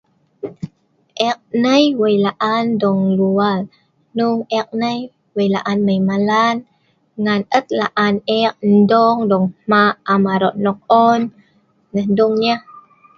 E’ek nei weik la’an dong luar hnung e’ek nei we’ik laan mei malan ngan et la’an e’ek endong hmak am arok nok on neh dung nnyeh